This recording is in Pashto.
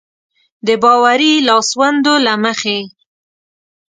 د باوري لاسوندو له مخې.